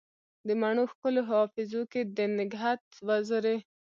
د مڼو ښکلو حافظو کې دنګهت وزرې